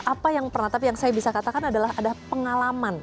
apa yang pernah tapi yang saya bisa katakan adalah ada pengalaman